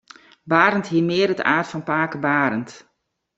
Barend hie mear it aard fan pake Barend.